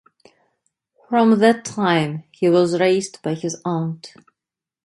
From that time he was raised by his aunt.